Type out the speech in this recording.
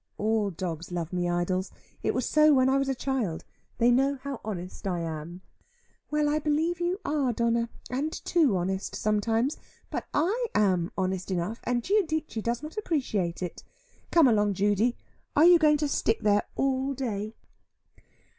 "All dogs love me, Idols. It was so when I was a child. They know how honest I am." "Well, I believe you are, Donna; and too honest sometimes. But I am honest enough, and Giudice does not appreciate it. Come along, Judy. Are you going to stick there all day?"